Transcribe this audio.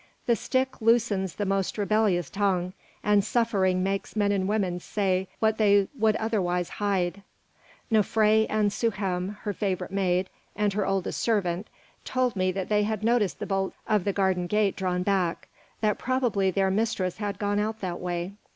"The stick loosens the most rebellious tongue, and suffering makes men and women say what they would otherwise hide." "Nofré and Souhem, her favourite maid and her oldest servant, told me that they had noticed the bolts of the garden gate drawn back, that probably their mistress had gone out that way.